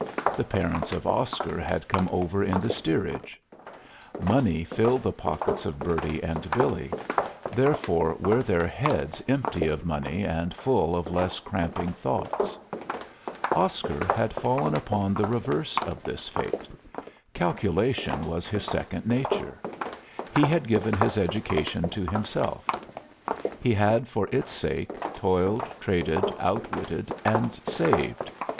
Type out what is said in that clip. The parents of Oscar had come over in the steerage. Money filled the pockets of Bertie and Billy; therefore were their heads empty of money and full of less cramping thoughts. Oscar had fallen upon the reverse of this fate. Calculation was his second nature. He had given his education to himself; he had for its sake toiled, traded, outwitted, and saved.